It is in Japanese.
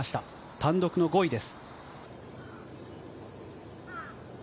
単独の５位です。